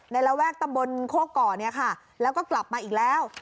ระแวกตำบลโคก่อเนี่ยค่ะแล้วก็กลับมาอีกแล้ว